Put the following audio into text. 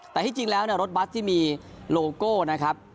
แต่ที่จริงแล้วรถบัสที่มีโลโก้นะครับ